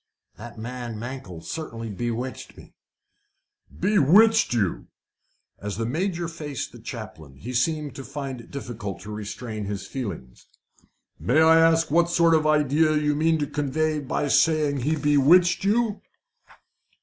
"The man, Mankell, certainly bewitched me." "Bewitched you!" As the Major faced the chaplain he seemed to find it difficult to restrain his feelings. "May I ask what sort of idea you mean to convey by saying he bewitched you?"